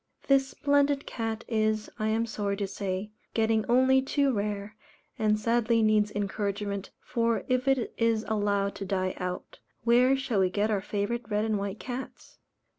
This splendid cat is, I am sorry to say, getting only too rare, and sadly needs encouragement, for if it is allowed to die out, where shall we get our favourite red and white cats?